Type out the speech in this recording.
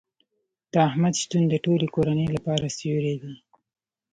د احمد شتون د ټولې کورنۍ لپاره سیوری دی.